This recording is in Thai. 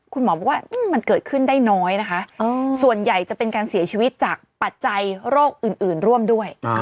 คุณหมอบอกว่ามันเกิดขึ้นได้น้อยนะคะส่วนใหญ่จะเป็นการเสียชีวิตจากปัจจัยโรคอื่นร่วมด้วย